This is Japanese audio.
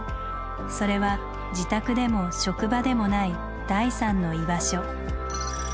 それは自宅でも職場でもない第３の居場所。